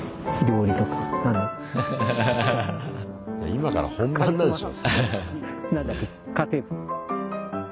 今から本番なんでしょ？